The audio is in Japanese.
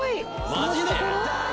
マジで？